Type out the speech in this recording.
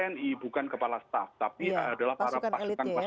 panglima tni bukan kepala staff tapi adalah para pasukan